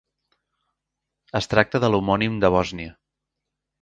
Es tracta de l'homònim de Bòsnia.